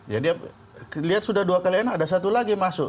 ya dia lihat sudah dua kali enak ada satu lagi masuk